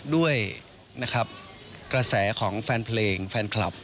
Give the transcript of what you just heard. ด้วยนะครับกระแสของแฟนเพลงแฟนคลับ